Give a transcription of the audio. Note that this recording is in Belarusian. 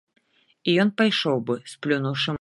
І ён пайшоў быў, сплюнуўшы моцна.